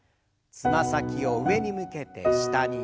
つま先を上に向けて下に。